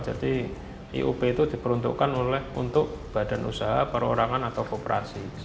jadi iup itu diperuntukkan oleh untuk badan usaha perorangan atau kooperasi